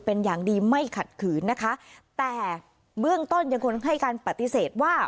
เป็นอย่างดีไม่ขัดขืนนะคะแต่เบื้องต้นยังคงให้การปฏิเสธว่า